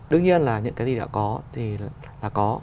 đương nhiên là những cái gì đã có thì là có